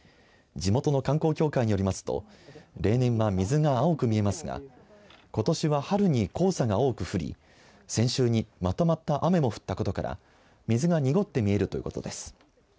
地元の観光協会によりますと例年は、水が青く見えますがことしは春に黄砂が多く降り先週に、まとまった雨も降ったことから水が濁って見えるということです。